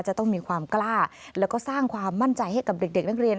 จะต้องมีความกล้าแล้วก็สร้างความมั่นใจให้กับเด็กนักเรียน